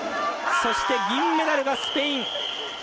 そして、銀メダルがスペイン。